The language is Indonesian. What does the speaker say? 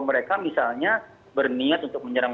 mereka misalnya berniat untuk menyerang